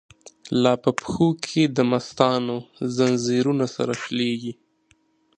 لا په پښو کی دمستانو، ځنځیرونه سره شلیږی